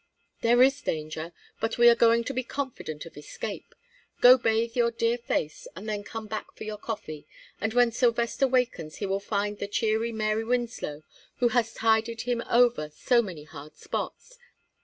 There is danger, but we are going to be confident of escape. Go bathe your dear face, and then come back for your coffee, and when Sylvester wakens he will find the cheery Mary Winslow, who has tided him over so many hard spots.